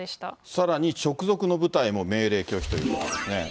さらに直属の部隊も命令拒否ということですね。